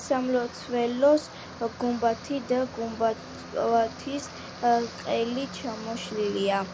სამლოცველოს გუმბათი და გუმბათის ყელი ჩამოშლილია.